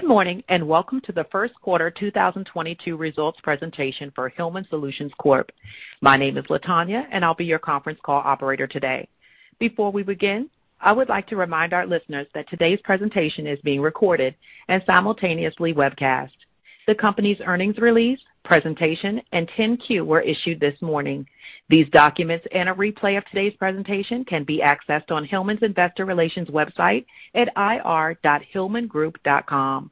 Good morning, and welcome to the first quarter 2022 results presentation for Hillman Solutions Corp. My name is Latonya and I'll be your conference call operator today. Before we begin, I would like to remind our listeners that today's presentation is being recorded and simultaneously webcast. The company's earnings release, presentation, and 10-Q were issued this morning. These documents and a replay of today's presentation can be accessed on Hillman's Investor Relations website at ir.hillmangroup.com.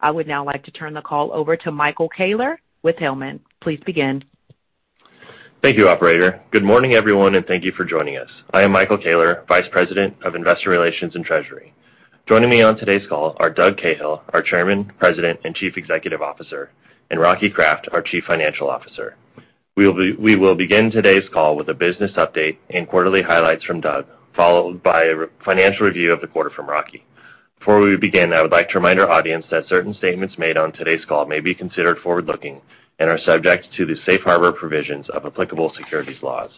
I would now like to turn the call over to Michael Koehler with Hillman. Please begin. Thank you, operator. Good morning, everyone, and thank you for joining us. I am Michael Koehler, Vice President of Investor Relations and Treasury. Joining me on today's call are Doug Cahill, our Chairman, President, and Chief Executive Officer, and Robert Kraft, our Chief Financial Officer. We will begin today's call with a business update and quarterly highlights from Doug, followed by a financial review of the quarter from Rocky. Before we begin, I would like to remind our audience that certain statements made on today's call may be considered forward-looking and are subject to the safe harbor provisions of applicable securities laws.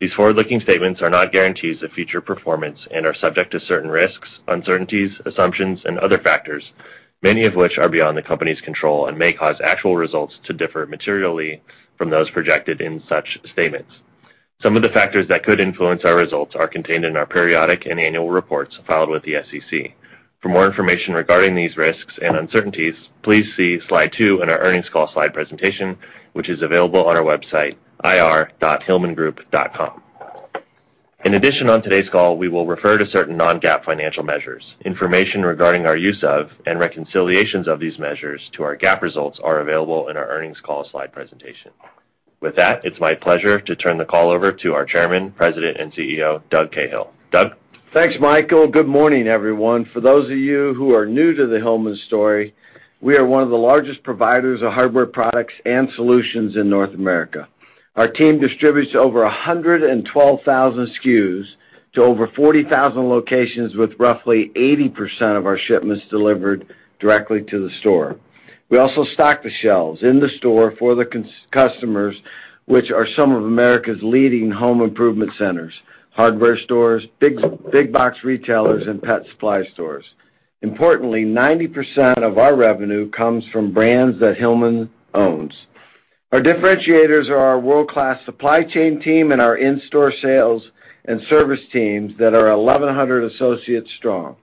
These forward-looking statements are not guarantees of future performance and are subject to certain risks, uncertainties, assumptions, and other factors, many of which are beyond the company's control and may cause actual results to differ materially from those projected in such statements. Some of the factors that could influence our results are contained in our periodic and annual reports filed with the SEC. For more information regarding these risks and uncertainties, please see slide two in our earnings call slide presentation, which is available on our website, ir.hillmangroup.com. In addition, on today's call, we will refer to certain non-GAAP financial measures. Information regarding our use of and reconciliations of these measures to our GAAP results are available in our earnings call slide presentation. With that, it's my pleasure to turn the call over to our Chairman, President, and CEO, Doug Cahill. Doug? Thanks, Michael. Good morning, everyone. For those of you who are new to the Hillman story, we are one of the largest providers of hardware products and solutions in North America. Our team distributes over 112,000 SKUs to over 40,000 locations, with roughly 80% of our shipments delivered directly to the store. We also stock the shelves in the store for the customers, which are some of America's leading home improvement centers, hardware stores, big box retailers, and pet supply stores. Importantly, 90% of our revenue comes from brands that Hillman owns. Our differentiators are our world-class supply chain team and our in-store sales and service teams that are 1,100 associates strong.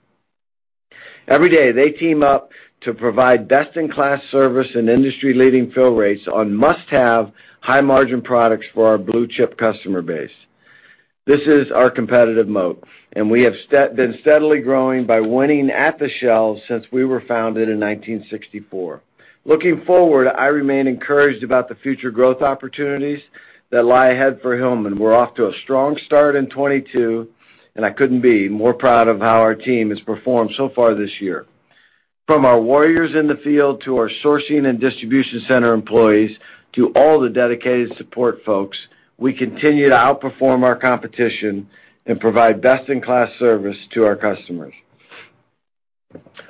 Every day, they team up to provide best-in-class service and industry-leading fill rates on must-have, high-margin products for our blue-chip customer base. This is our competitive moat, and we have been steadily growing by winning at the shelves since we were founded in 1964. Looking forward, I remain encouraged about the future growth opportunities that lie ahead for Hillman. We're off to a strong start in 2022 and I couldn't be more proud of how our team has performed so far this year. From our warriors in the field to our sourcing and distribution center employees to all the dedicated support folks, we continue to outperform our competition and provide best-in-class service to our customers.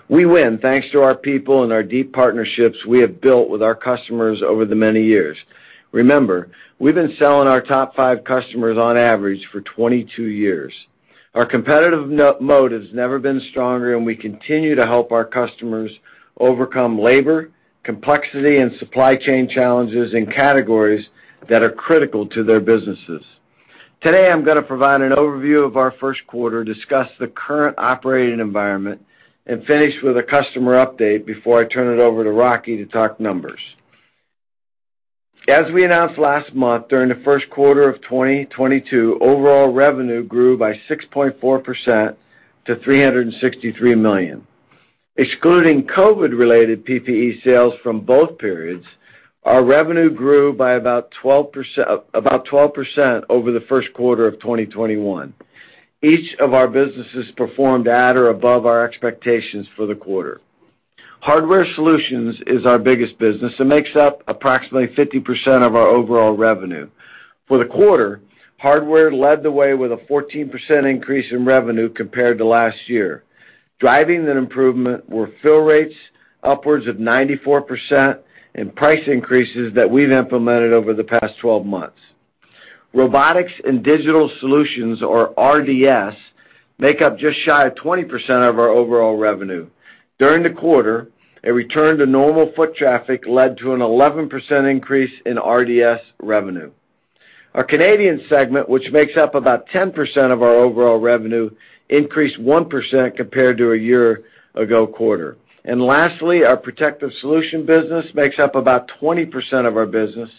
We win thanks to our people and our deep partnerships we have built with our customers over the many years. Remember, we've been selling our top five customers on average for 22 years. Our competitive moat has never been stronger, and we continue to help our customers overcome labor, complexity, and supply chain challenges in categories that are critical to their businesses. Today, I'm gonna provide an overview of our first quarter, discuss the current operating environment, and finish with a customer update before I turn it over to Rocky to talk numbers. As we announced last month, during the first quarter of 2022, overall revenue grew by 6.4% to $363 million. Excluding COVID-related PPE sales from both periods, our revenue grew by about 12%, about 12% over the first quarter of 2021. Each of our businesses performed at or above our expectations for the quarter. Hardware Solutions is our biggest business and makes up approximately 50% of our overall revenue. For the quarter, Hardware led the way with a 14% increase in revenue compared to last year. Driving that improvement were fill rates upwards of 94% and price increases that we've implemented over the past 12 months. Robotics and Digital Solutions or RDS, make up just shy of 20% of our overall revenue. During the quarter, a return to normal foot traffic led to an 11% increase in RDS revenue. Our Canadian segment, which makes up about 10% of our overall revenue, increased 1% compared to a year-ago quarter. Lastly, our Protective Solutions business makes up about 20% of our business.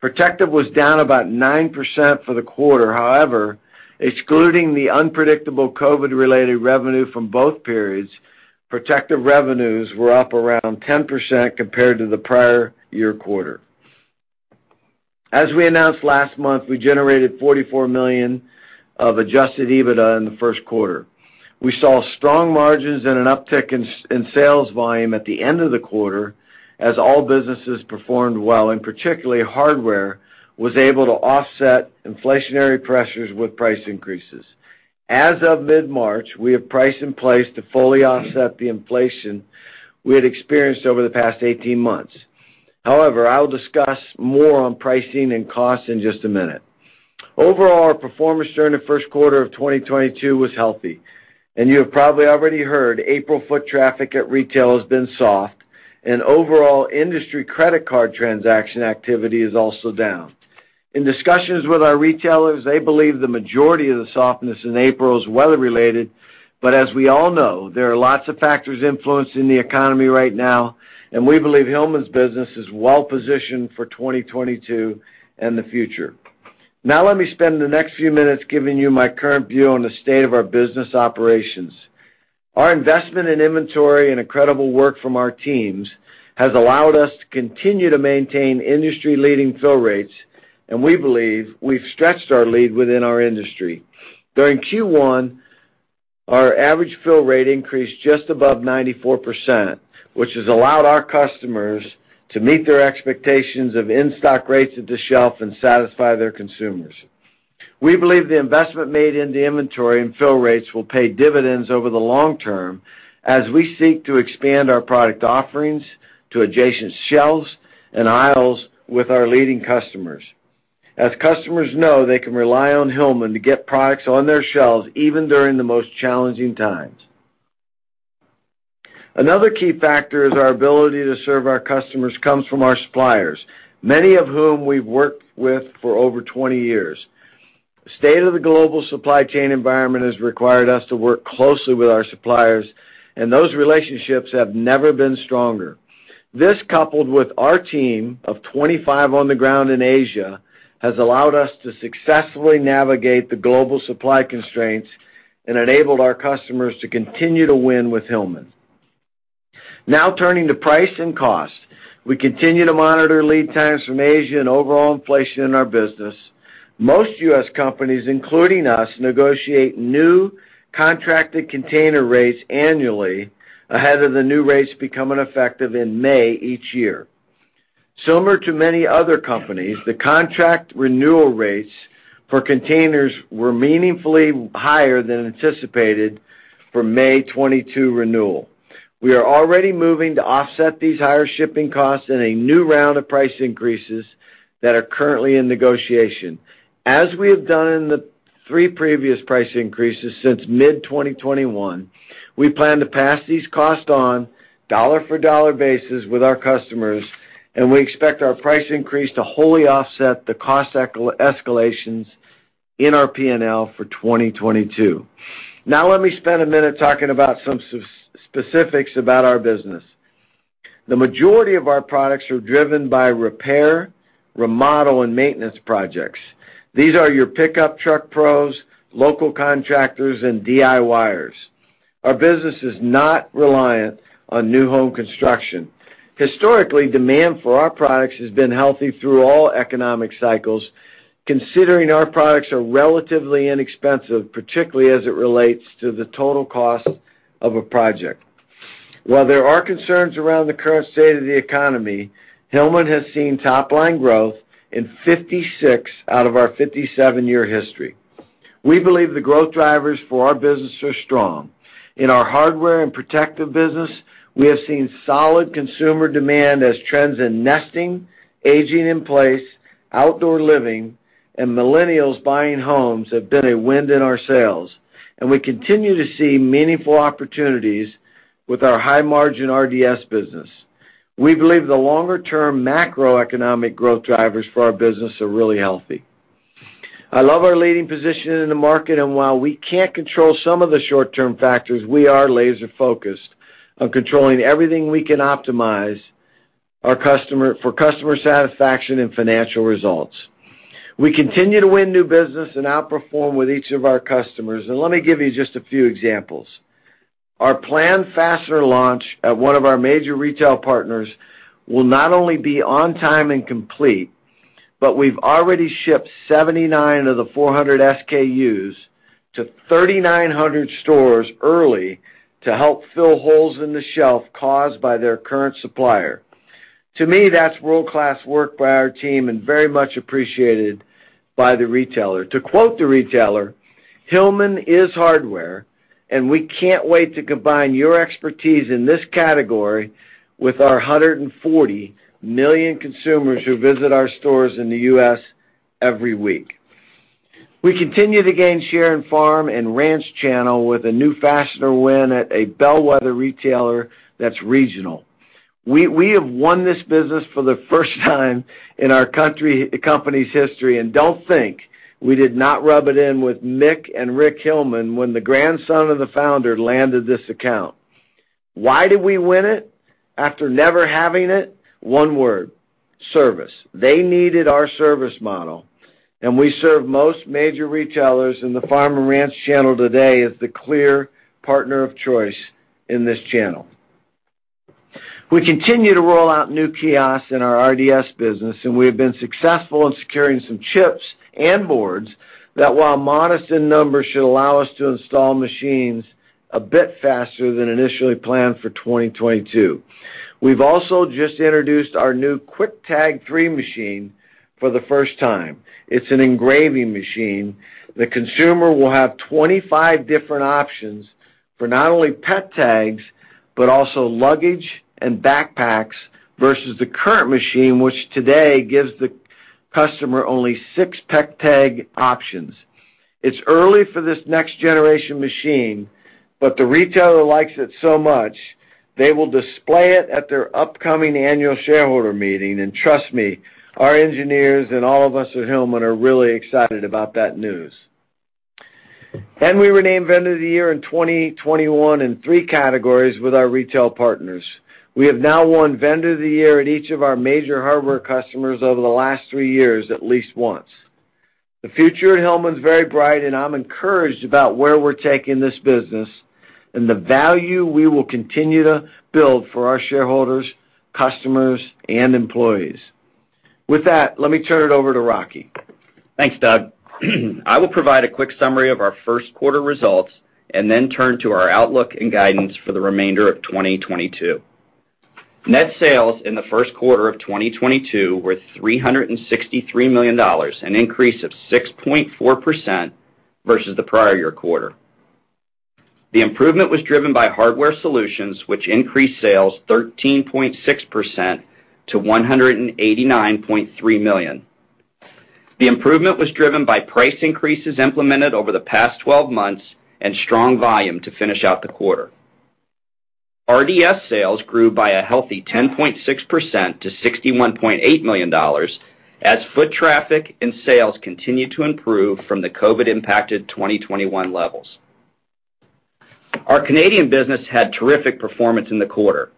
Protective was down about 9% for the quarter. However, excluding the unpredictable COVID-related revenue from both periods, Protective revenues were up around 10% compared to the prior-year quarter. As we announced last month, we generated $44 million of Adjusted EBITDA in the first quarter. We saw strong margins and an uptick in sales volume at the end of the quarter as all businesses performed well, and particularly Hardware was able to offset inflationary pressures with price increases. As of mid-March, we have price in place to fully offset the inflation we had experienced over the past 18 months. However, I'll discuss more on pricing and cost in just a minute. Overall, our performance during the first quarter of 2022 was healthy. You have probably already heard April foot traffic at retail has been soft and overall industry credit card transaction activity is also down. In discussions with our retailers, they believe the majority of the softness in April is weather-related, but as we all know, there are lots of factors influencing the economy right now, and we believe Hillman's business is well-positioned for 2022 and the future. Now let me spend the next few minutes giving you my current view on the state of our business operations. Our investment in inventory and incredible work from our teams has allowed us to continue to maintain industry-leading fill rates, and we believe we've stretched our lead within our industry. During Q1, our average fill rate increased just above 94%, which has allowed our customers to meet their expectations of in-stock rates at the shelf and satisfy their consumers. We believe the investment made in the inventory and fill rates will pay dividends over the long term as we seek to expand our product offerings to adjacent shelves and aisles with our leading customers. As customers know they can rely on Hillman to get products on their shelves even during the most challenging times. Another key factor is our ability to serve our customers comes from our suppliers, many of whom we've worked with for over 20 years. The state of the global supply chain environment has required us to work closely with our suppliers, and those relationships have never been stronger. This coupled with our team of 25 on the ground in Asia, has allowed us to successfully navigate the global supply constraints and enabled our customers to continue to win with Hillman. Now turning to price and cost. We continue to monitor lead times from Asia and overall inflation in our business. Most US companies, including us, negotiate new contracted container rates annually ahead of the new rates becoming effective in May each year. Similar to many other companies, the contract renewal rates for containers were meaningfully higher than anticipated for May 2022 renewal. We are already moving to offset these higher shipping costs in a new round of price increases that are currently in negotiation. As we have done in the three previous price increases since mid-2021, we plan to pass these costs on dollar for dollar basis with our customers, and we expect our price increase to wholly offset the cost escalations in our P&L for 2022. Now let me spend a minute talking about some specifics about our business. The majority of our products are driven by repair, remodel, and maintenance projects. These are your pickup truck pros, local contractors, and DIYers. Our business is not reliant on new home construction. Historically, demand for our products has been healthy through all economic cycles, considering our products are relatively inexpensive, particularly as it relates to the total cost of a project. While there are concerns around the current state of the economy, Hillman has seen top-line growth in 56 out of our 57-year history. We believe the growth drivers for our business are strong. In our hardware and protective business, we have seen solid consumer demand as trends in nesting, aging in place, outdoor living, and millennials buying homes have been a wind in our sails, and we continue to see meaningful opportunities with our high-margin RDS business. We believe the longer-term macroeconomic growth drivers for our business are really healthy. I love our leading position in the market, and while we can't control some of the short-term factors, we are laser-focused on controlling everything we can to optimize for customer satisfaction and financial results. We continue to win new business and outperform with each of our customers. Let me give you just a few examples. Our planned fastener launch at one of our major retail partners will not only be on time and complete, but we've already shipped 79 of the 400 SKUs to 3,900 stores early to help fill holes in the shelf caused by their current supplier. To me, that's world-class work by our team and very much appreciated by the retailer. To quote the retailer, "Hillman is hardware, and we can't wait to combine your expertise in this category with our 140 million consumers who visit our stores in the US every week." We continue to gain share in farm and ranch channel with a new fastener win at a bellwether retailer that's regional. We have won this business for the first time in our company's history and don't think we did not rub it in with Mick and Rick Hillman when the grandson of the founder landed this account. Why did we win it after never having it? One word, service. They needed our service model, and we serve most major retailers in the farm and ranch channel today as the clear partner of choice in this channel. We continue to roll out new kiosks in our RDS business, and we have been successful in securing some chips and boards that while modest in numbers, should allow us to install machines a bit faster than initially planned for 2022. We've also just introduced our new QuickTag III machine for the first time. It's an engraving machine. The consumer will have 25 different options for not only pet tags but also luggage and backpacks versus the current machine, which today gives the customer only six pet tag options. It's early for this next generation machine, but the retailer likes it so much they will display it at their upcoming annual shareholder meeting. Trust me, our engineers and all of us at Hillman are really excited about that news. We were named vendor of the year in 2021 in three categories with our retail partners. We have now won vendor of the year at each of our major hardware customers over the last three years at least once. The future at Hillman is very bright and I'm encouraged about where we're taking this business and the value we will continue to build for our shareholders, customers, and employees. With that, let me turn it over to Rocky. Thanks, Doug. I will provide a quick summary of our first quarter results and then turn to our outlook and guidance for the remainder of 2022. Net sales in the first quarter of 2022 were $363 million, an increase of 6.4% versus the prior year quarter. The improvement was driven by hardware solutions, which increased sales 13.6% to $189.3 million. The improvement was driven by price increases implemented over the past 12 months and strong volume to finish out the quarter. RDS sales grew by a healthy 10.6% to $61.8 million as foot traffic and sales continued to improve from the COVID-impacted 2021 levels. Our Canadian business had terrific performance in the quarter.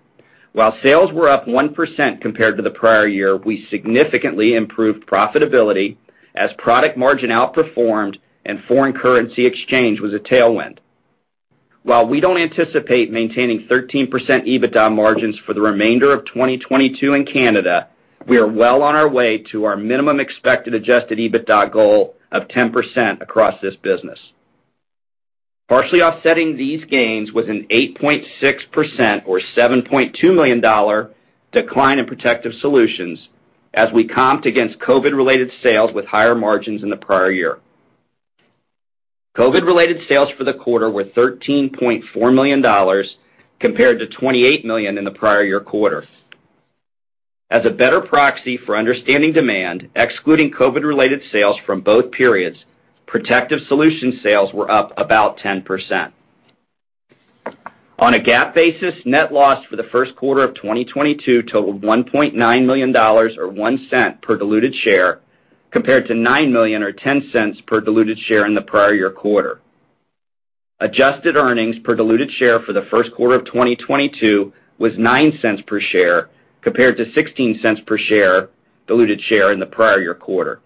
While sales were up 1% compared to the prior year, we significantly improved profitability as product margin outperformed and foreign currency exchange was a tailwind. While we don't anticipate maintaining 13% EBITDA margins for the remainder of 2022 in Canada, we are well on our way to our minimum expected Adjusted EBITDA goal of 10% across this business. Partially offsetting these gains was an 8.6% or $7.2 million decline in Protective Solutions as we comped against COVID-related sales with higher margins in the prior year. COVID-related sales for the quarter were $13.4 million compared to $28 million in the prior year quarter. As a better proxy for understanding demand, excluding COVID-related sales from both periods, Protective Solutions sales were up about 10%. On a GAAP basis, net loss for the first quarter of 2022 totaled $1.9 million or $0.01 per diluted share, compared to $9 million or $0.10 per diluted share in the prior year quarter. Adjusted earnings per diluted share for the first quarter of 2022 was $0.09 per share, compared to $0.16 per diluted share in the prior year quarter.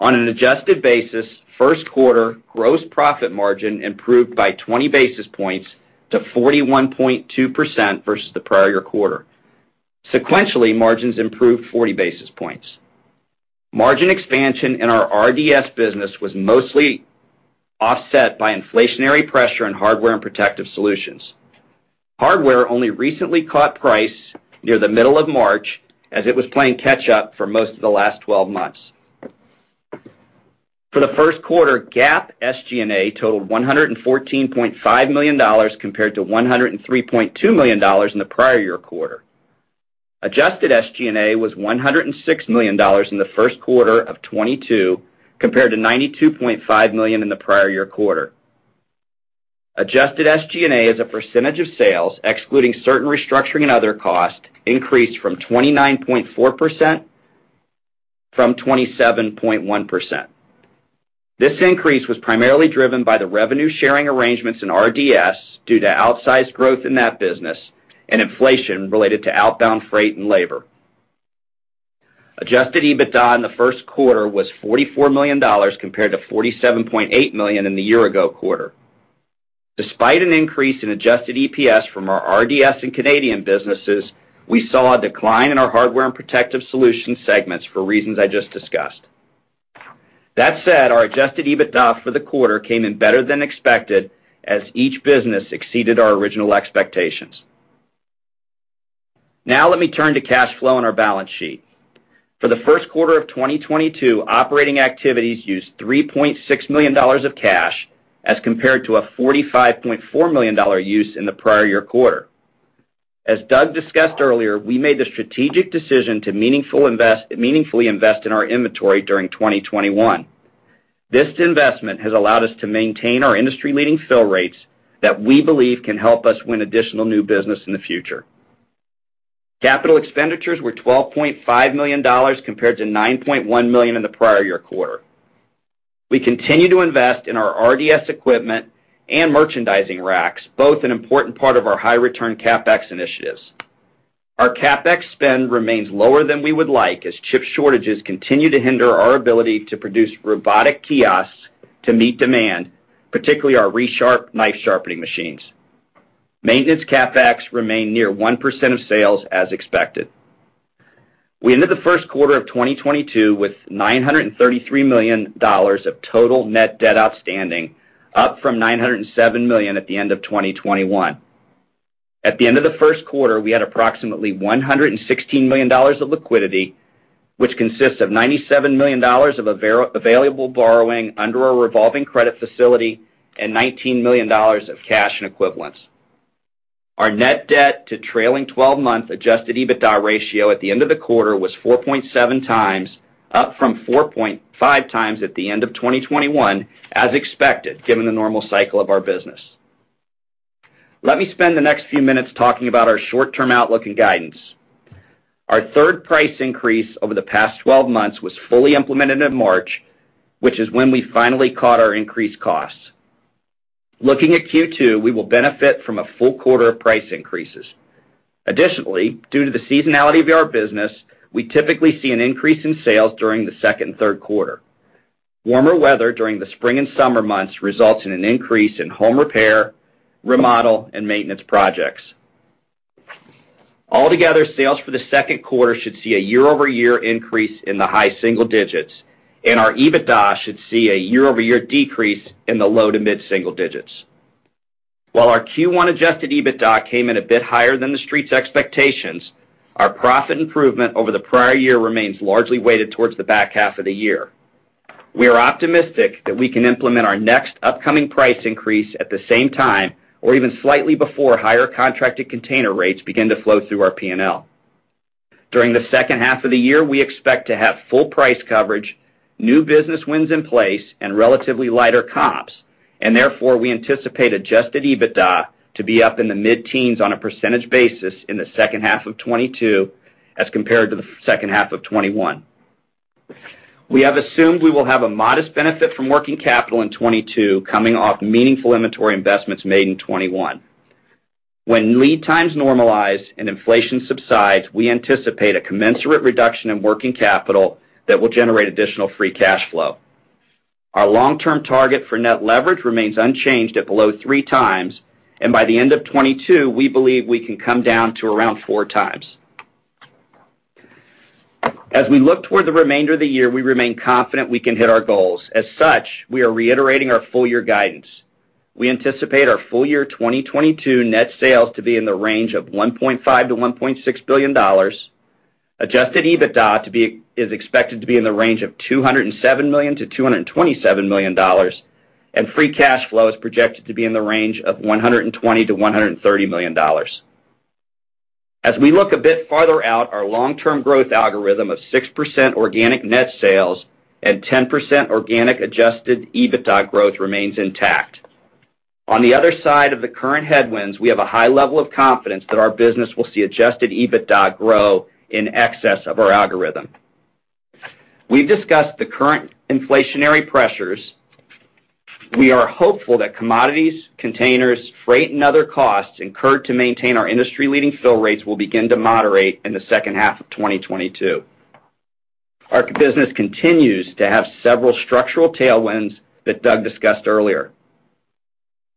On an adjusted basis, first quarter gross profit margin improved by 20 basis points to 41.2% versus the prior year quarter. Sequentially, margins improved 40 basis points. Margin expansion in our RDS business was mostly offset by inflationary pressure in Hardware and Protective Solutions. Hardware only recently caught price near the middle of March as it was playing catch up for most of the last twelve months. For the first quarter, GAAP SG&A totaled $114.5 million compared to $103.2 million in the prior year quarter. Adjusted SG&A was $106 million in the first quarter of 2022 compared to $92.5 million in the prior year quarter. Adjusted SG&A as a percentage of sales, excluding certain restructuring and other costs, increased to 29.4% from 27.1%. This increase was primarily driven by the revenue sharing arrangements in RDS due to outsized growth in that business and inflation related to outbound freight and labor. Adjusted EBITDA in the first quarter was $44 million compared to $47.8 million in the year ago quarter. Despite an increase in adjusted EPS from our RDS and Canadian businesses, we saw a decline in our Hardware and Protective Solutions segment for reasons I just discussed. That said, our adjusted EBITDA for the quarter came in better than expected as each business exceeded our original expectations. Now let me turn to cash flow on our balance sheet. For the first quarter of 2022, operating activities used $3.6 million of cash as compared to a $45.4 million use in the prior year quarter. As Doug discussed earlier, we made the strategic decision to meaningfully invest in our inventory during 2021. This investment has allowed us to maintain our industry-leading fill rates that we believe can help us win additional new business in the future. Capital expenditures were $12.5 million compared to $9.1 million in the prior year quarter. We continue to invest in our RDS equipment and merchandising racks, both an important part of our high return CapEx initiatives. Our CapEx spend remains lower than we would like as chip shortages continue to hinder our ability to produce robotic kiosks to meet demand, particularly our Resharp knife sharpening machines. Maintenance CapEx remain near 1% of sales as expected. We ended the first quarter of 2022 with $933 million of total net debt outstanding, up from $907 million at the end of 2021. At the end of the first quarter, we had approximately $116 million of liquidity, which consists of $97 million of available borrowing under a revolving credit facility and $19 million of cash and equivalents. Our net debt to trailing 12-month Adjusted EBITDA ratio at the end of the quarter was 4.7x, up from 4.5x at the end of 2021, as expected, given the normal cycle of our business. Let me spend the next few minutes talking about our short-term outlook and guidance. Our third price increase over the past 12 months was fully implemented in March, which is when we finally caught our increased costs. Looking at Q2, we will benefit from a full quarter of price increases. Additionally, due to the seasonality of our business, we typically see an increase in sales during the second and third quarter. Warmer weather during the spring and summer months results in an increase in home repair, remodel, and maintenance projects. Altogether, sales for the second quarter should see a year-over-year increase in the high single digits, and our EBITDA should see a year-over-year decrease in the low to mid-single digits. While our Q1 Adjusted EBITDA came in a bit higher than the street's expectations, our profit improvement over the prior year remains largely weighted towards the back half of the year. We are optimistic that we can implement our next upcoming price increase at the same time or even slightly before higher contracted container rates begin to flow through our P&L. During the second half of the year, we expect to have full price coverage, new business wins in place, and relatively lighter comps, and therefore, we anticipate Adjusted EBITDA to be up in the mid-teens % in the second half of 2022, as compared to the second half of 2021. We have assumed we will have a modest benefit from working capital in 2022, coming off meaningful inventory investments made in 2021. When lead times normalize and inflation subsides, we anticipate a commensurate reduction in working capital that will generate additional free cash flow. Our long-term target for net leverage remains unchanged at below 3x, and by the end of 2022, we believe we can come down to around 4x. As we look toward the remainder of the year, we remain confident we can hit our goals. As such, we are reiterating our full year guidance. We anticipate our full year 2022 net sales to be in the range of $1.5 billion-$1.6 billion. Adjusted EBITDA is expected to be in the range of $207 million-$227 million, and free cash flow is projected to be in the range of $120 million-$130 million. As we look a bit farther out, our long-term growth algorithm of 6% organic net sales and 10% organic Adjusted EBITDA growth remains intact. On the other side of the current headwinds, we have a high level of confidence that our business will see Adjusted EBITDA grow in excess of our algorithm. We've discussed the current inflationary pressures. We are hopeful that commodities, containers, freight, and other costs incurred to maintain our industry-leading fill rates will begin to moderate in the second half of 2022. Our business continues to have several structural tailwinds that Doug discussed earlier.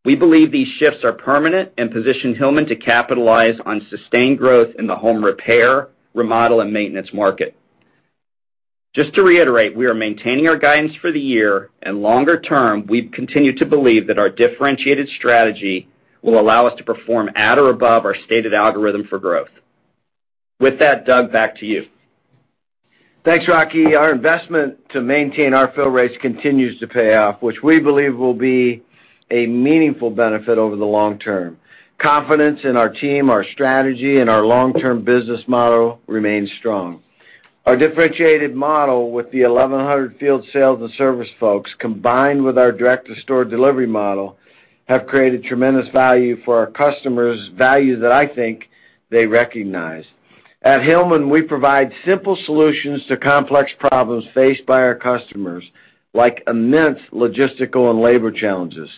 We believe these shifts are permanent and position Hillman to capitalize on sustained growth in the home repair, remodel, and maintenance market. Just to reiterate, we are maintaining our guidance for the year. Longer term, we continue to believe that our differentiated strategy will allow us to perform at or above our stated algorithm for growth. With that, Doug, back to you. Thanks, Rocky. Our investment to maintain our fill rates continues to pay off, which we believe will be a meaningful benefit over the long term. Confidence in our team, our strategy, and our long-term business model remains strong. Our differentiated model with the 1,100 field sales and service folks, combined with our direct-to-store delivery model, have created tremendous value for our customers, value that I think they recognize. At Hillman, we provide simple solutions to complex problems faced by our customers, like immense logistical and labor challenges.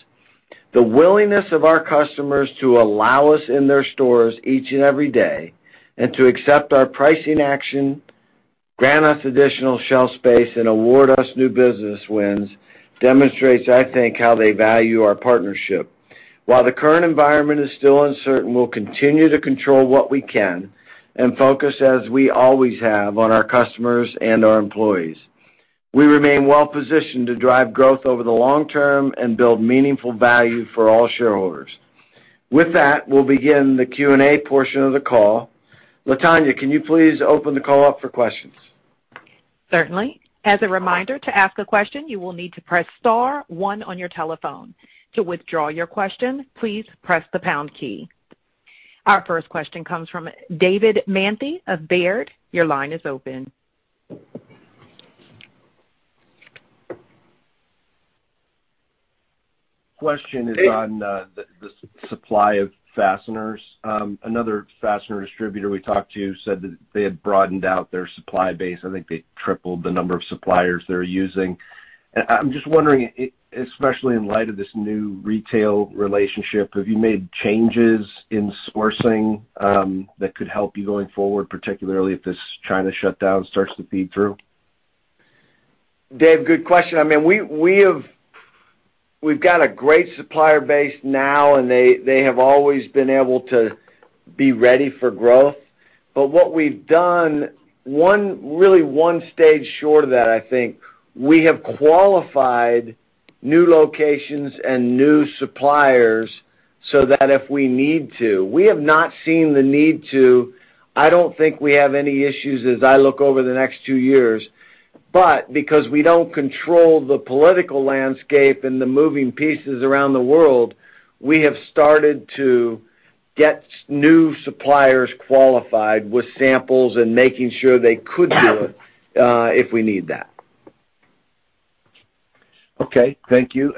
The willingness of our customers to allow us in their stores each and every day and to accept our pricing action, grant us additional shelf space, and award us new business wins demonstrates, I think, how they value our partnership. While the current environment is still uncertain, we'll continue to control what we can and focus as we always have on our customers and our employees. We remain well-positioned to drive growth over the long term and build meaningful value for all shareholders. With that, we'll begin the Q&A portion of the call. Latonya, can you please open the call up for questions? Certainly. As a reminder, to ask a question, you will need to press star one on your telephone. To withdraw your question, please press the pound key. Our first question comes from David Manthey of Baird. Your line is open. Question is on the supply of fasteners. Another fastener distributor we talked to said that they had broadened out their supply base. I think they tripled the number of suppliers they're using. I'm just wondering, especially in light of this new retail relationship, have you made changes in sourcing that could help you going forward, particularly if this China shutdown starts to feed through? Dave, good question. I mean, we have a great supplier base now, and they have always been able to be ready for growth. What we've done, really one stage short of that, I think, we have qualified new locations and new suppliers so that if we need to, we have not seen the need to. I don't think we have any issues as I look over the next two years. Because we don't control the political landscape and the moving pieces around the world, we have started to get new suppliers qualified with samples and making sure they could do it, if we need that. Thank you.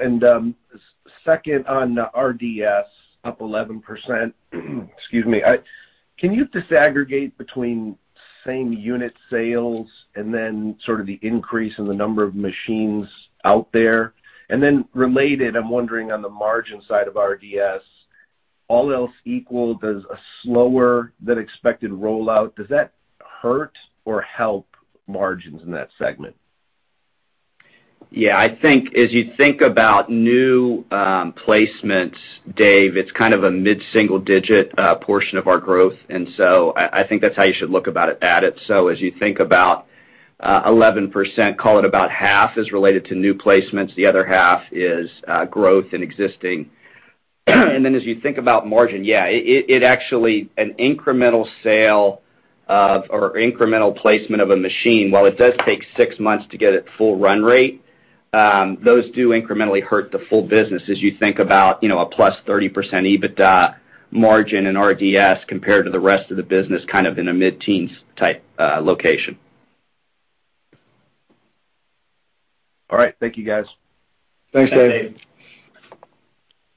Second on RDS up 11%. Excuse me. Can you disaggregate between same-unit sales and then sort of the increase in the number of machines out there? Then related, I'm wondering on the margin side of RDS, all else equal, there's a slower than expected rollout. Does that hurt or help margins in that segment? Yeah. I think as you think about new placements, Dave, it's kind of a mid-single digit portion of our growth. I think that's how you should look at it. As you think about 11%, call it about half is related to new placements, the other half is growth in existing. As you think about margin, yeah, it actually an incremental sale of, or incremental placement of a machine, while it does take six months to get to full run rate, those do incrementally hurt the full business as you think about, you know, a +30% EBITDA margin in RDS compared to the rest of the business, kind of in a mid-teens type location. All right. Thank you, guys. Thanks, Dave. Thanks,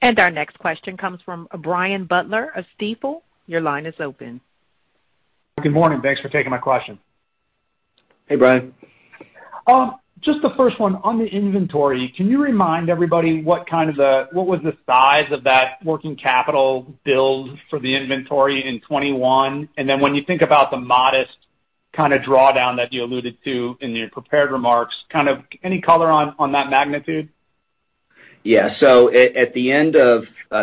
Dave. Our next question comes from Brian Butler of Stifel. Your line is open. Good morning. Thanks for taking my question. Hey, Brian. Just the first one. On the inventory, can you remind everybody what was the size of that working capital build for the inventory in 2021? Then when you think about the modest kind of drawdown that you alluded to in your prepared remarks, kind of any color on that magnitude? Yeah.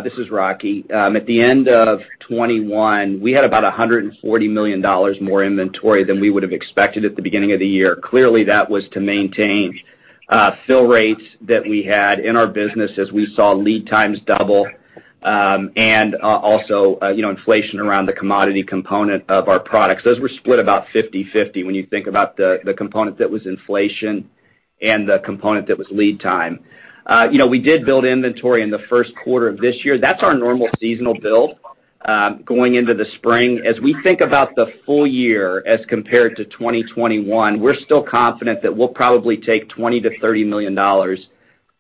This is Rocky. At the end of 2021, we had about $140 million more inventory than we would have expected at the beginning of the year. Clearly, that was to maintain fill rates that we had in our business as we saw lead times double, and also, you know, inflation around the commodity component of our products. Those were split about 50/50 when you think about the component that was inflation and the component that was lead time. You know, we did build inventory in the first quarter of this year. That's our normal seasonal build, going into the spring. As we think about the full year as compared to 2021, we're still confident that we'll probably take $20 million-$30 million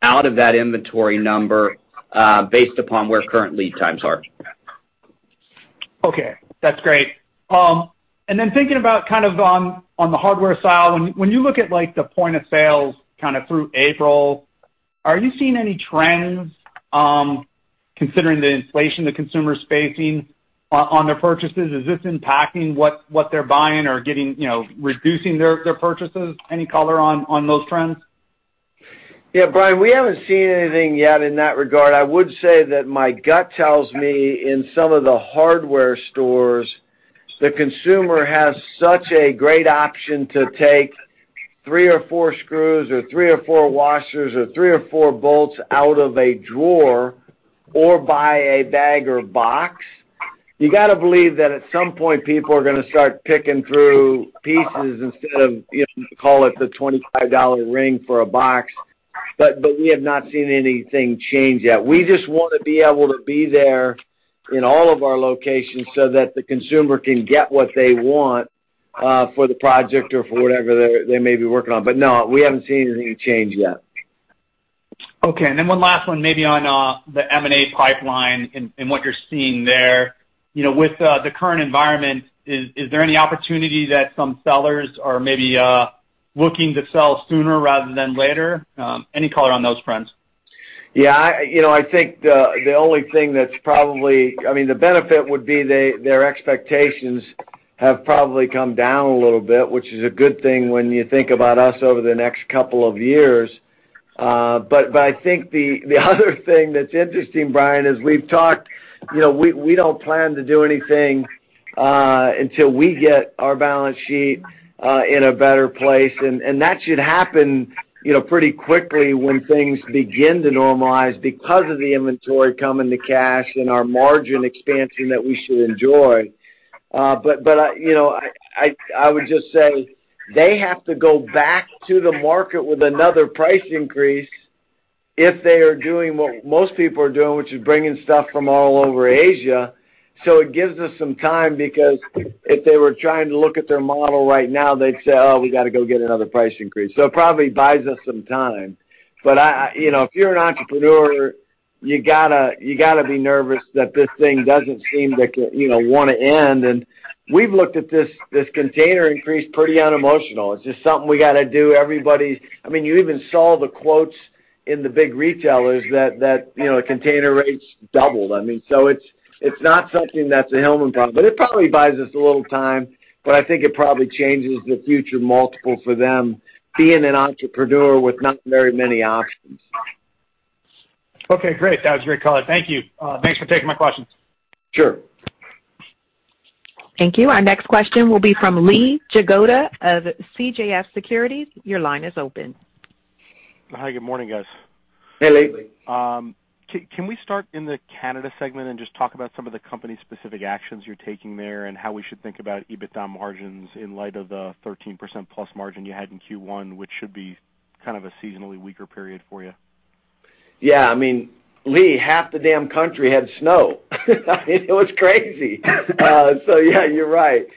out of that inventory number, based upon where current lead times are. Okay, that's great. And then thinking about kind of on the hardware side, when you look at, like, the point-of-sale kinda through April, are you seeing any trends, considering the inflation the consumer is facing on their purchases? Is this impacting what they're buying or getting, you know, reducing their purchases? Any color on those trends? Yeah, Brian, we haven't seen anything yet in that regard. I would say that my gut tells me in some of the hardware stores, the consumer has such a great option to take three or four screws or three or four washers or three or four bolts out of a drawer or buy a bag or box. You gotta believe that at some point, people are gonna start picking through pieces instead of, you know, call it the $25 ring for a box. But we have not seen anything change yet. We just wanna be able to be there in all of our locations so that the consumer can get what they want for the project or for whatever they may be working on. No, we haven't seen anything change yet. Okay. One last one maybe on the M&A pipeline and what you're seeing there. You know, with the current environment, is there any opportunity that some sellers are maybe looking to sell sooner rather than later? Any color on those fronts? You know, I think the only thing that's probably I mean, the benefit would be their expectations have probably come down a little bit, which is a good thing when you think about us over the next couple of years. But I think the other thing that's interesting, Brian, is we've talked you know we don't plan to do anything until we get our balance sheet in a better place. That should happen you know pretty quickly when things begin to normalize because of the inventory coming to cash and our margin expansion that we should enjoy. I you know I would just say they have to go back to the market with another price increase if they are doing what most people are doing, which is bringing stuff from all over Asia. It gives us some time because if they were trying to look at their model right now, they'd say, "Oh, we gotta go get another price increase." It probably buys us some time. You know, if you're an entrepreneur, you gotta be nervous that this thing doesn't seem to, you know, wanna end. We've looked at this container increase pretty unemotional. It's just something we gotta do. I mean, you even saw the quotes in the big retailers that, you know, container rates doubled. I mean, it's not something that's a Hillman problem, but it probably buys us a little time, but I think it probably changes the future multiple for them being an entrepreneur with not very many options. Okay, great. That was a great call. Thank you. Thanks for taking my questions. Sure. Thank you. Our next question will be from Lee Jagoda of CJS Securities. Your line is open. Hi, good morning, guys. Hey, Lee. Can we start in the Canada segment and just talk about some of the company-specific actions you're taking there and how we should think about EBITDA margins in light of the 13% plus margin you had in Q1, which should be kind of a seasonally weaker period for you? Yeah. I mean, Lee, half the damn country had snow. It was crazy. Yeah, you're right.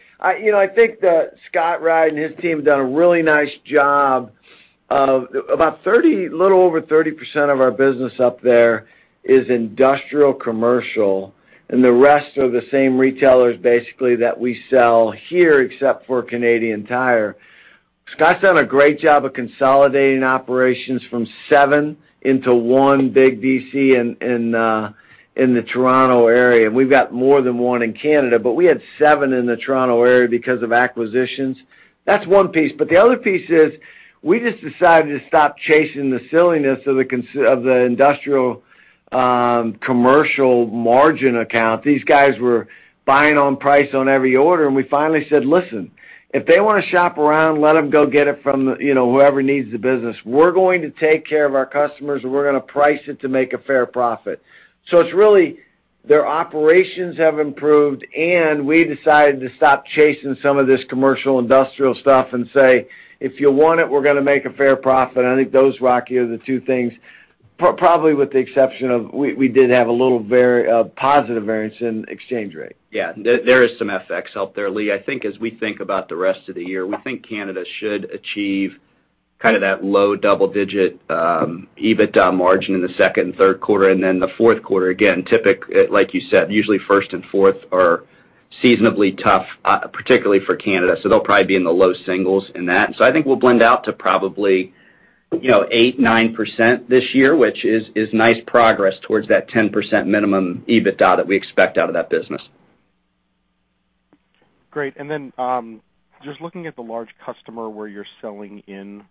You know, I think that Scott C. Ride and his team have done a really nice job of little over 30% of our business up there is industrial commercial, and the rest are the same retailers, basically, that we sell here except for Canadian Tire. Scott C. Ride's done a great job of consolidating operations from seven into one big DC in the Toronto area, and we've got more than one in Canada, but we had seven in the Toronto area because of acquisitions. That's one piece. The other piece is we just decided to stop chasing the silliness of the industrial commercial margin account. These guys were buying on price on every order, and we finally said, "Listen, if they wanna shop around, let them go get it from, you know, whoever needs the business. We're going to take care of our customers, and we're gonna price it to make a fair profit." It's really their operations have improved, and we decided to stop chasing some of this commercial industrial stuff and say, "If you want it, we're gonna make a fair profit." I think those, Rocky, are the two things probably with the exception of we did have a little positive variance in exchange rate. Yeah. There is some FX out there, Lee. I think as we think about the rest of the year, we think Canada should achieve kind of that low double digit EBITDA margin in the second and third quarter. Then the fourth quarter, again, like you said, usually first and fourth are seasonally tough, particularly for Canada, so they'll probably be in the low singles in that. I think we'll blend out to probably, you know, 8%-9% this year, which is nice progress towards that 10% minimum EBITDA that we expect out of that business. Great. Just looking at the large customer where you're selling in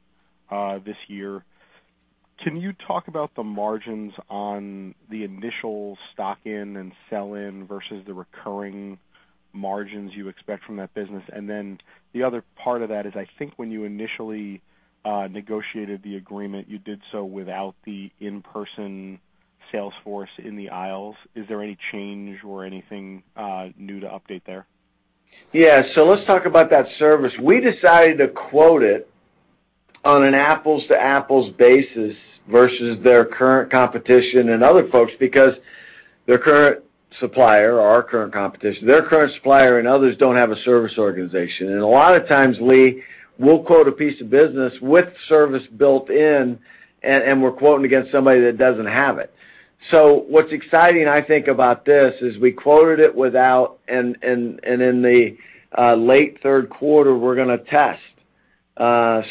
this year, can you talk about the margins on the initial stock in and sell-in versus the recurring margins you expect from that business? The other part of that is, I think when you initially negotiated the agreement, you did so without the in-person sales force in the aisles. Is there any change or anything new to update there? Yeah. Let's talk about that service. We decided to quote it on an apples-to-apples basis versus their current competition and other folks because their current supplier or our current competition, their current supplier and others don't have a service organization. A lot of times, Lee, we'll quote a piece of business with service built in, and we're quoting against somebody that doesn't have it. What's exciting, I think, about this is we quoted it without, and in the late third quarter, we're gonna test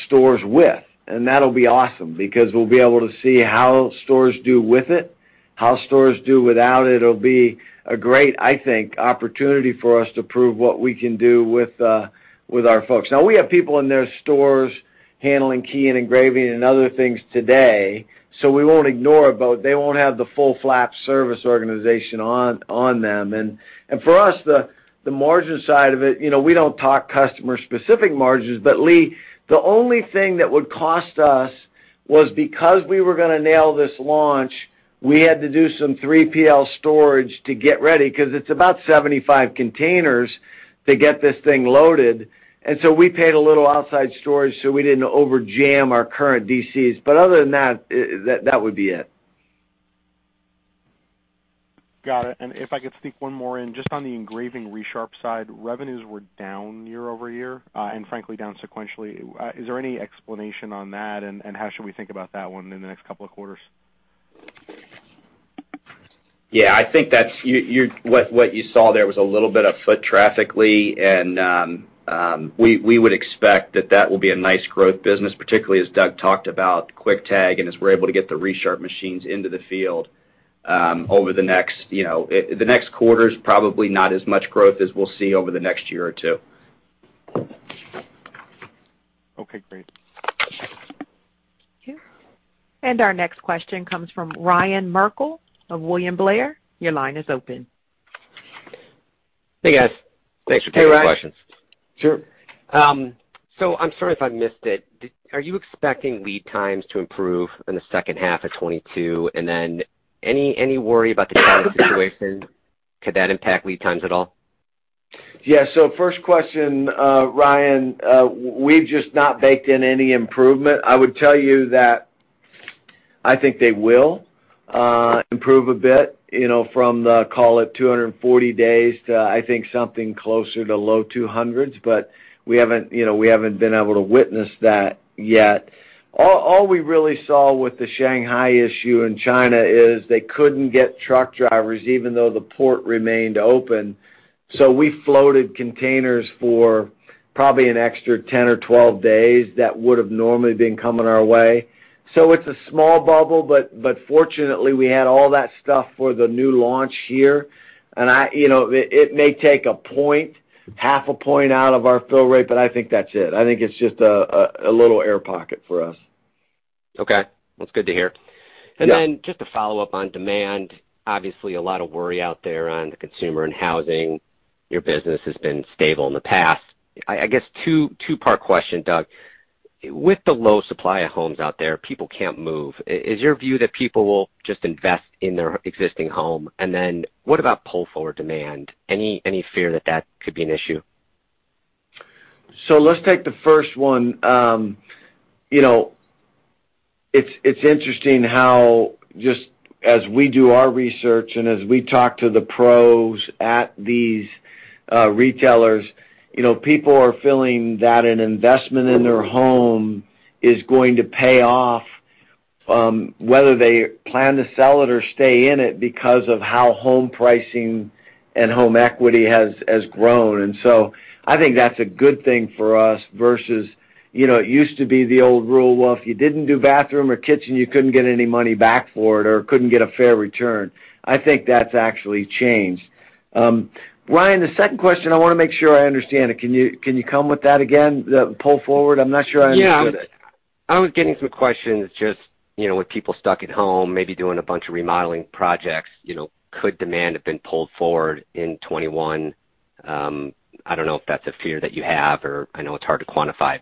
stores with, and that'll be awesome because we'll be able to see how stores do with it, how stores do without it. It'll be a great, I think, opportunity for us to prove what we can do with our folks. Now, we have people in their stores handling key and engraving and other things today, so we won't ignore it, but they won't have the full service organization on them. For us, the margin side of it, you know, we don't talk customer-specific margins, but Lee, the only thing that would cost us was because we were gonna nail this launch, we had to do some 3PL storage to get ready because it's about 75 containers to get this thing loaded. We paid a little outside storage, so we didn't over jam our current DCs. Other than that would be it. Got it. If I could sneak one more in, just on the engraving Resharp side, revenues were down year-over-year, and frankly, down sequentially. Is there any explanation on that, and how should we think about that one in the next couple of quarters? Yeah. I think that's what you saw there was a little bit of foot traffic, Lee, and we would expect that that will be a nice growth business, particularly as Doug talked about Quick-Tag and as we're able to get the Resharp machines into the field, over the next, you know, the next quarter's probably not as much growth as we'll see over the next year or two. Okay, great. Thank you. Our next question comes from Ryan Merkel of William Blair. Your line is open. Hey, guys. Thanks for taking the questions. Hey, Ryan. Sure. I'm sorry if I missed it. Are you expecting lead times to improve in the second half of 2022? Any worry about the China situation? Could that impact lead times at all? Yeah. First question, Ryan, we've just not baked in any improvement. I would tell you that I think they will improve a bit, you know, from the call it 240 days to, I think, something closer to low 200s. We haven't, you know, we haven't been able to witness that yet. All we really saw with the Shanghai issue in China is they couldn't get truck drivers even though the port remained open. We floated containers for probably an extra 10 or 12 days that would have normally been coming our way. It's a small bubble, but fortunately, we had all that stuff for the new launch here. I you know it may take a point, half a point out of our fill rate, but I think that's it. I think it's just a little air pocket for us. Okay. That's good to hear. Yeah. Just to follow up on demand, obviously, a lot of worry out there on the consumer and housing. Your business has been stable in the past. I guess two-part question, Doug. With the low supply of homes out there, people can't move. Is your view that people will just invest in their existing home? What about pull-forward demand? Any fear that that could be an issue? Let's take the first one. You know, it's interesting how just as we do our research and as we talk to the pros at these retailers, you know, people are feeling that an investment in their home is going to pay off, whether they plan to sell it or stay in it because of how home pricing and home equity has grown. I think that's a good thing for us versus, you know, it used to be the old rule, well, if you didn't do bathroom or kitchen, you couldn't get any money back for it or couldn't get a fair return. I think that's actually changed. Ryan, the second question, I wanna make sure I understand it. Can you come with that again, the pull forward? I'm not sure I understood it. Yeah. I was getting some questions just, you know, with people stuck at home, maybe doing a bunch of remodeling projects, you know, could demand have been pulled forward in 2021? I don't know if that's a fear that you have, or I know it's hard to quantify,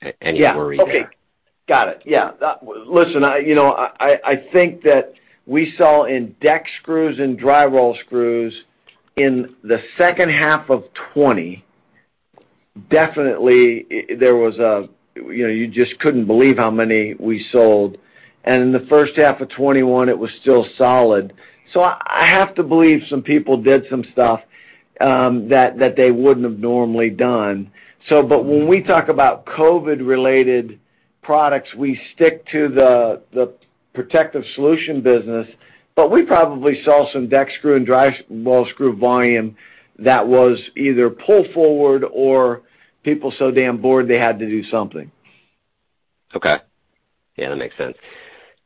but any worries there? Yeah. Okay. Got it. Yeah. Listen, you know, I think that we saw in deck screws and drywall screws in the second half of 2020, definitely, there was, you know, you just couldn't believe how many we sold. In the first half of 2021, it was still solid. I have to believe some people did some stuff that they wouldn't have normally done. But when we talk about COVID-related products, we stick to the Protective Solutions business, but we probably saw some deck screw and drywall screw volume that was either pull forward or people so damn bored they had to do something. Okay. Yeah, that makes sense.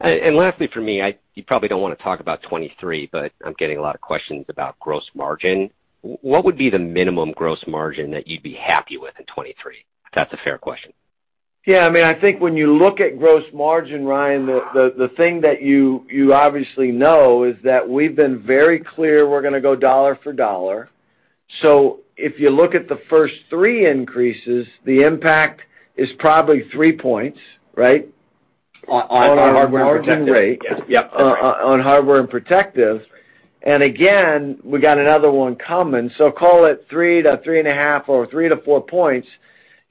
Lastly for me, you probably don't wanna talk about 2023, but I'm getting a lot of questions about gross margin. What would be the minimum gross margin that you'd be happy with in 2023? If that's a fair question. Yeah. I mean, I think when you look at gross margin, Ryan, the thing that you obviously know is that we've been very clear we're gonna go dollar for dollar. If you look at the first three increases, the impact is probably three points, right? On Hardware and Protective. On our margin rate. Yeah. Yep. That's right. On hardware and protective. Again, we got another one coming, so call it 3-3.5 or 3-4 points.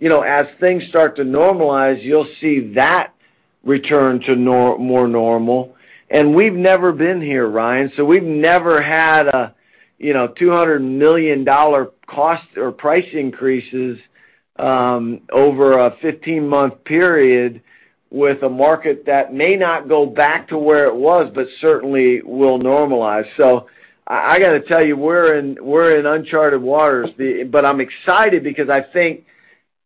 You know, as things start to normalize, you'll see that return to more normal. We've never been here, Ryan, so we've never had a, you know, $200 million dollar cost or price increases over a 15-month period with a market that may not go back to where it was, but certainly will normalize. I gotta tell you, we're in uncharted waters. I'm excited because I think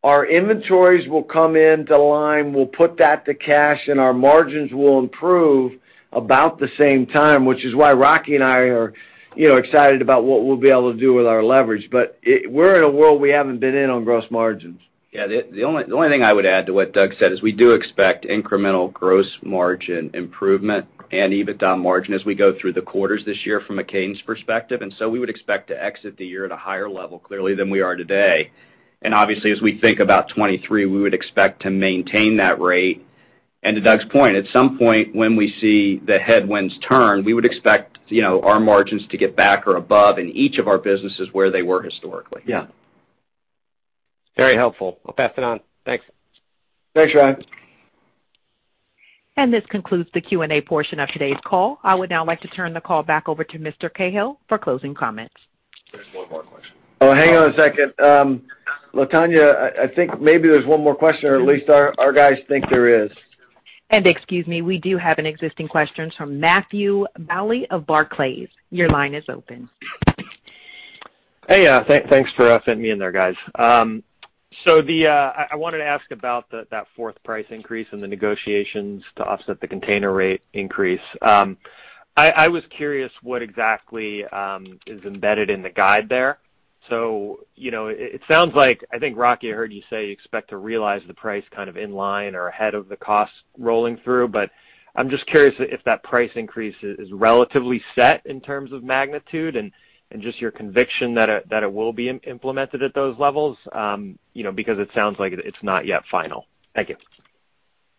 our inventories will come into line, we'll put that to cash, and our margins will improve about the same time, which is why Rocky and I are, you know, excited about what we'll be able to do with our leverage. We're in a world we haven't been in on gross margins. Yeah. The only thing I would add to what Doug said is we do expect incremental gross margin improvement and EBITDA margin as we go through the quarters this year from a cadence perspective. We would expect to exit the year at a higher level clearly than we are today. Obviously, as we think about 2023, we would expect to maintain that rate. To Doug's point, at some point when we see the headwinds turn, we would expect, you know, our margins to get back or above in each of our businesses where they were historically. Yeah. Very helpful. I'll pass it on. Thanks. Thanks, Ryan. This concludes the Q&A portion of today's call. I would now like to turn the call back over to Mr. Cahill for closing comments. There's one more question. Oh, hang on a second. Latonya, I think maybe there's one more question or at least our guys think there is. Excuse me, we do have an existing question from Matthew Bouley of Barclays. Your line is open. Hey. Thanks for fitting me in there, guys. I wanted to ask about that fourth price increase and the negotiations to offset the container rate increase. I was curious what exactly is embedded in the guide there. You know, it sounds like, I think, Rocky, I heard you say you expect to realize the price kind of in line or ahead of the cost rolling through. I'm just curious if that price increase is relatively set in terms of magnitude and just your conviction that it will be implemented at those levels, you know, because it sounds like it's not yet final. Thank you.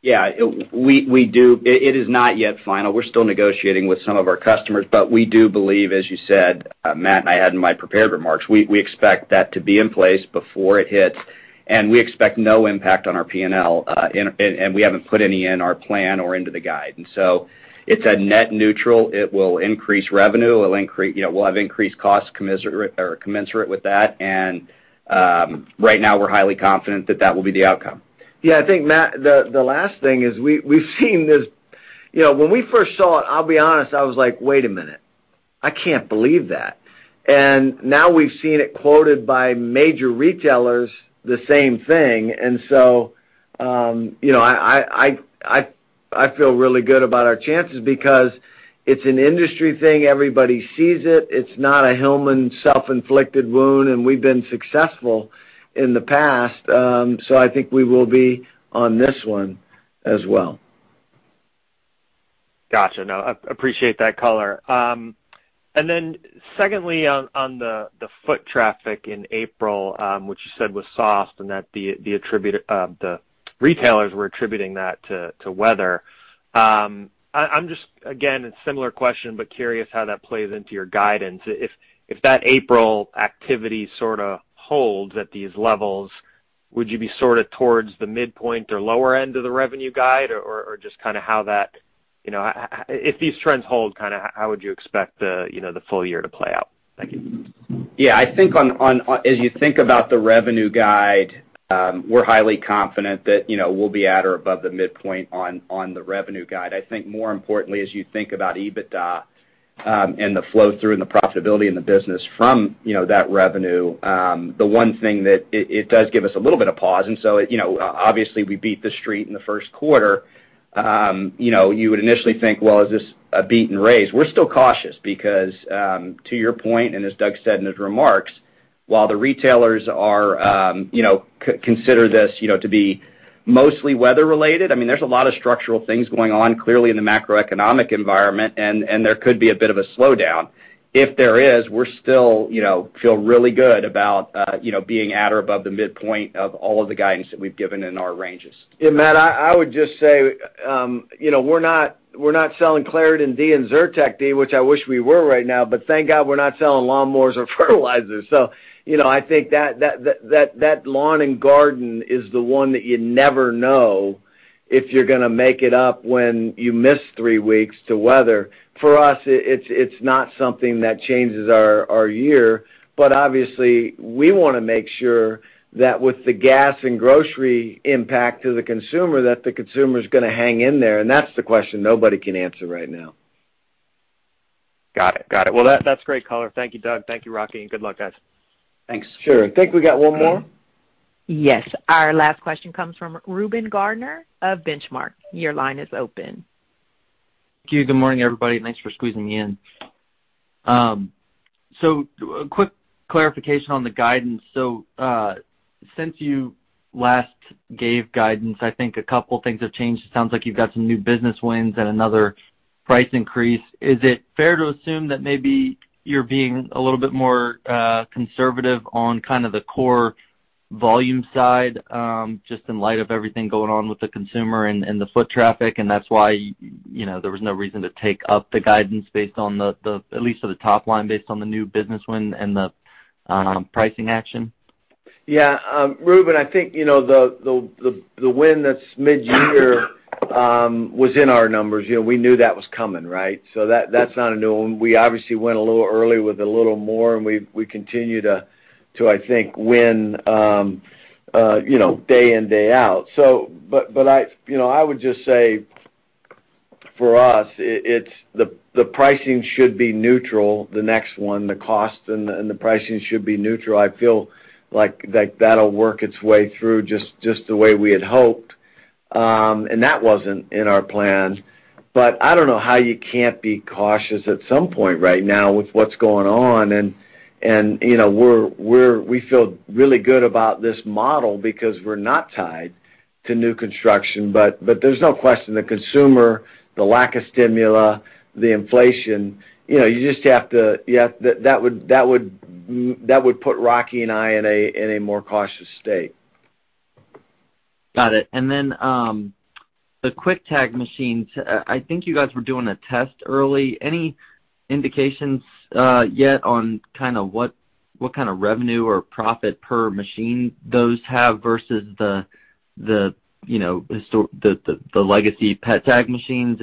Yeah. We do. It is not yet final. We're still negotiating with some of our customers. We do believe, as you said, Matt, and I had in my prepared remarks, we expect that to be in place before it hits, and we expect no impact on our P&L. We haven't put any in our plan or into the guide. It's a net neutral. It will increase revenue. It'll increase. You know, we'll have increased costs commensurate with that. Right now, we're highly confident that that will be the outcome. Yeah. I think, Matt, the last thing is we've seen this. You know, when we first saw it, I'll be honest, I was like, "Wait a minute. I can't believe that." Now we've seen it quoted by major retailers the same thing. You know, I feel really good about our chances because it's an industry thing. Everybody sees it. It's not a Hillman self-inflicted wound, and we've been successful in the past. I think we will be on this one as well. Gotcha. No, appreciate that color. Secondly on the foot traffic in April, which you said was soft and that the retailers were attributing that to weather. I'm just again with a similar question, but curious how that plays into your guidance. If that April activity sorta holds at these levels, would you be sort of towards the midpoint or lower end of the revenue guide? Or just kinda how that, you know. If these trends hold, kinda, how would you expect the, you know, the full year to play out? Thank you. I think on as you think about the revenue guide, we're highly confident that, you know, we'll be at or above the midpoint on the revenue guide. I think more importantly, as you think about EBITDA, and the flow through and the profitability in the business from, you know, that revenue, the one thing that it does give us a little bit of pause. You know, obviously, we beat the street in the first quarter. You know, you would initially think, well, is this a beat and raise? We're still cautious because to your point, and as Doug said in his remarks, while the retailers are, you know, consider this, you know, to be mostly weather-related, I mean, there's a lot of structural things going on clearly in the macroeconomic environment, and there could be a bit of a slowdown. If there is, we're still, you know, feel really good about, you know, being at or above the midpoint of all of the guidance that we've given in our ranges. Yeah, Matt, I would just say, you know, we're not selling Claritin-D and Zyrtec-D, which I wish we were right now, but thank God we're not selling lawnmowers or fertilizers. You know, I think that lawn and garden is the one that you never know if you're gonna make it up when you miss three weeks to weather. For us, it's not something that changes our year. Obviously, we wanna make sure that with the gas and grocery impact to the consumer, that the consumer's gonna hang in there, and that's the question nobody can answer right now. Got it. Got it. Well, that's great color. Thank you, Doug. Thank you, Rocky, and good luck, guys. Thanks. Sure. I think we got one more. Yes. Our last question comes from Reuben Garner of Benchmark. Your line is open. Thank you. Good morning, everybody, and thanks for squeezing me in. A quick clarification on the guidance. Since you last gave guidance, I think a couple things have changed. It sounds like you've got some new business wins and another price increase. Is it fair to assume that maybe you're being a little bit more conservative on kind of the core volume side, just in light of everything going on with the consumer and the foot traffic, and that's why, you know, there was no reason to take up the guidance based on the, at least for the top line based on the new business win and the pricing action? Yeah. Reuben, I think you know the win that's mid-year was in our numbers. You know, we knew that was coming, right? That's not a new one. We obviously went a little early with a little more, and we continue to, I think, win you know day in, day out. You know, I would just say for us, it's the pricing should be neutral, the next one, the cost and the pricing should be neutral. I feel like that'll work its way through just the way we had hoped. That wasn't in our plans. I don't know how you can't be cautious at some point right now with what's going on. You know, we feel really good about this model because we're not tied to new construction. There's no question the consumer, the lack of stimulus, the inflation, you know, you just have to. That would put Rocky and I in a more cautious state. Got it. The QuickTag machines, I think you guys were doing a test early. Any indications yet on what kinda revenue or profit per machine those have versus the legacy pet tag machines?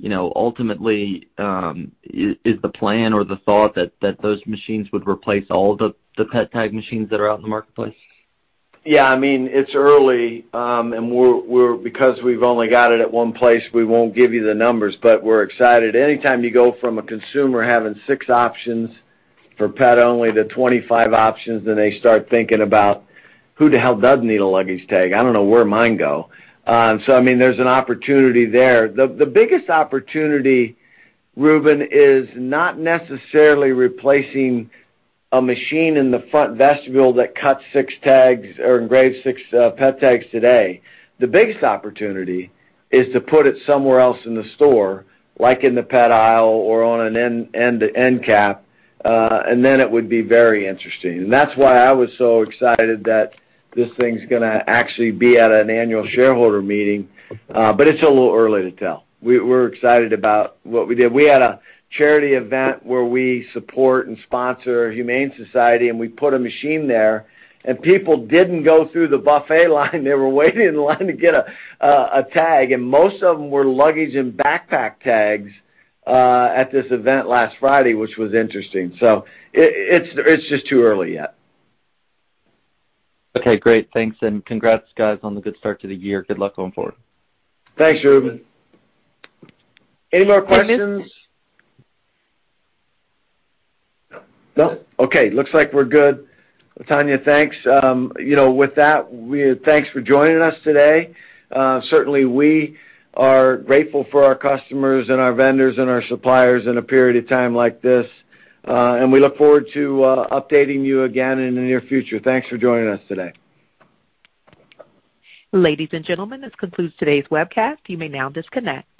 You know, ultimately, is the plan or the thought that those machines would replace all the pet tag machines that are out in the marketplace? Yeah. I mean, it's early, and we're because we've only got it at one place, we won't give you the numbers, but we're excited. Anytime you go from a consumer having six options for pet only to 25 options, then they start thinking about who the hell does need a luggage tag? I don't know where mine go. So I mean, there's an opportunity there. The biggest opportunity, Reuben, is not necessarily replacing a machine in the front vestibule that cuts six tags or engrave six pet tags today. The biggest opportunity is to put it somewhere else in the store, like in the pet aisle or on an end cap, and then it would be very interesting. That's why I was so excited that this thing's gonna actually be at an annual shareholder meeting. It's a little early to tell. We're excited about what we did. We had a charity event where we support and sponsor Humane Society and we put a machine there. People didn't go through the buffet line. They were waiting in line to get a tag and most of them were luggage and backpack tags at this event last Friday which was interesting. It's just too early yet. Okay, great. Thanksand congrats guys on the good start to the year. Good luck going forward. Thanks, Reuben. Any more questions? No. No? Okay. Looks like we're good. Tanya, thanks. You know, with that, thanks for joining us today. Certainly we are grateful for our customers and our vendors and our suppliers in a period of time like this. We look forward to updating you again in the near future. Thanks for joining us today. Ladies and gentlemen, this concludes today's webcast. You may now disconnect.